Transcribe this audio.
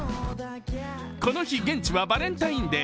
この日現地はバレンタインデー。